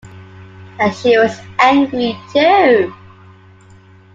And she was angry, too.